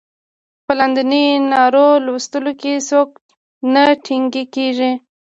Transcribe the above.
په لاندنیو نارو لوستلو کې څوک نه ټکنی کیږي.